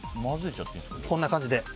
こんな感じで。